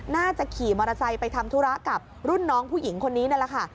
น่าจะขี่มอเตอร์ไซค์ไปทำธุระกับรุ่นน้องผู้หญิงคนนี้นั่นแหละค่ะ